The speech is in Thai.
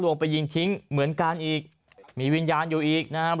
ลงไปยิงทิ้งเหมือนกันอีกมีวิญญาณอยู่อีกนะครับ